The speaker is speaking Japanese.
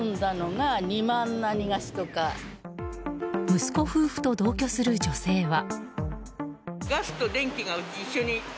息子夫婦と同居する女性は。